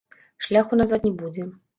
Шляху назад не будзе.